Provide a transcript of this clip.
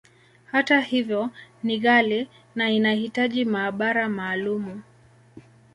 Hata hivyo, ni ghali, na inahitaji maabara maalumu.